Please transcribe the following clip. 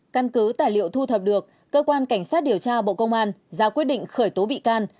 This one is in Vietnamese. căn cứ tài liệu thu thập được cơ quan cảnh sát điều tra bộ công an ra quyết định khởi tố bị can